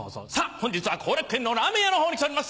本日は後楽園のラーメン屋の方に来ております